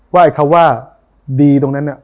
ว่าอีกคำว่าดีตรงนั้น